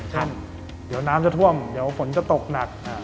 เช่นเดี๋ยวน้ำจะท่วมเดี๋ยวฝนจะตกหนัก